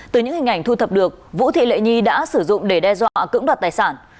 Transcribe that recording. từ những hình ảnh thu thập được vũ thị lệ nhi đã sử dụng để đe dọa cưỡng đoạt tài sản